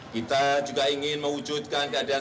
kita juga ingin mewujudkan keadaan